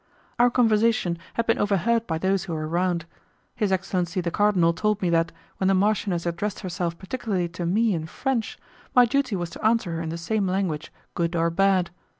Our conversation had been overheard by those who were around; his excellency the cardinal told me that, when the marchioness addressed herself particularly to me in French, my duty was to answer her in the same language, good or bad.